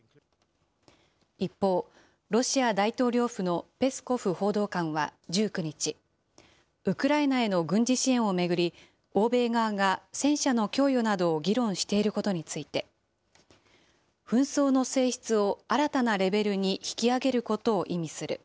一方、ロシア大統領府のペスコフ報道官は１９日、ウクライナへの軍事支援を巡り、欧米側が戦車の供与などを議論していることについて、紛争の性質を新たなレベルに引き上げることを意味する。